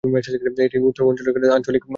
এটি উত্তর অঞ্চলের জন্য আঞ্চলিক কেন্দ্র।